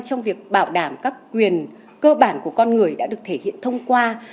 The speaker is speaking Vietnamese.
trong việc bảo đảm các quyền cơ bản của con người đã được thể hiện thông qua